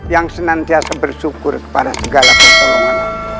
yang senantiasa bersyukur kepada segala pertolongan